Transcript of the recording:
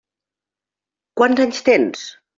Quants anys tens?